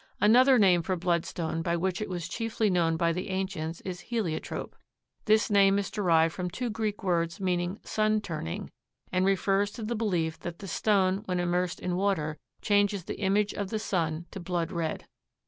Another name for bloodstone by which it was chiefly known by the ancients is heliotrope. This name is derived from two Greek words meaning "sun turning" and refers to the belief that the stone when immersed in water changes the image of the sun to blood red.